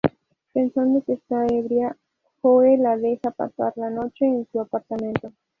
Pensando que está ebria, Joe la deja pasar la noche en su apartamento.